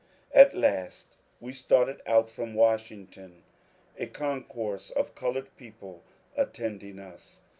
At last we started out from Washington, a concourse of coloured people attending us.